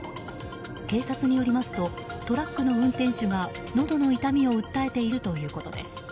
警察によりますとトラックの運転手がのどの痛みを訴えているということです。